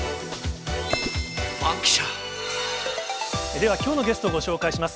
では、きょうのゲストをご紹介します。